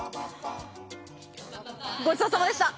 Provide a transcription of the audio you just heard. ごちそうさまでした。